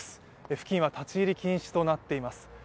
付近は立入禁止となっています。